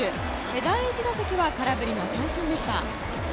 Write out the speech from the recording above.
第１打席は空振りの三振でした。